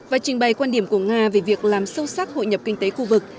và trình bày quan điểm của nga về việc làm sâu sắc hội nhập kinh tế khu vực